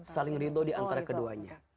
saling ridho di antara keduanya